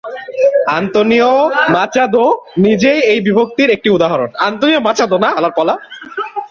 Antonio Machado নিজেই এই বিভক্তির একটি উদাহরণ।